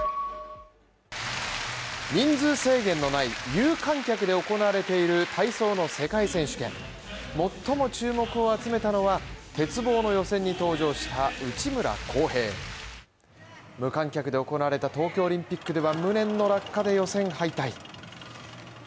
人数制限のない有観客で行われている体操の世界選手権、最も注目を集めたのは、鉄棒の予選に登場した内村航平無観客で行われた東京オリンピックでは無念の落下で予選敗退。